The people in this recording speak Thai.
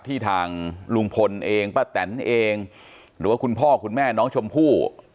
ทางลุงพลเองป้าแตนเองหรือว่าคุณพ่อคุณแม่น้องชมพู่